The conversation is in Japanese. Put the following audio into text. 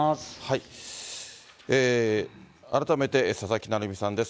改めて、佐々木成三さんです。